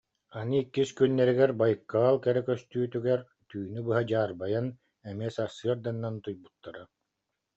Аны иккис күннэригэр Байкал кэрэ көстүүтүгэр түүнү быһа дьаарбайан, эмиэ сарсыарданан утуйбуттара